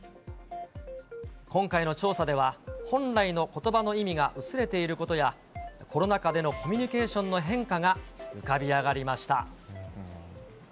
今回の調査では、本来のことばの意味が薄れていることや、コロナ禍でのコミュニケーションの変化が浮かび上がりました。